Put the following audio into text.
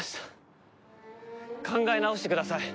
考え直してください。